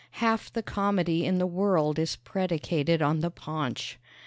Half the comedy in the world is predicated on the paunch.